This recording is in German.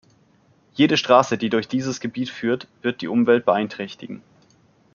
Jede Straße, die durch dieses Gebiet führt, wird die Umwelt beeinträchtigen.